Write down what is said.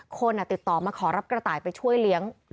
คนติดต่อมาขอรับกระต่ายไปช่วยเลี้ยง